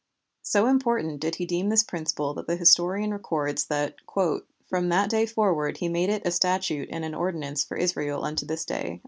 So important did he deem this principle that the historian records that "from that day forward he made it a statute and an ordinance for Israel unto this day."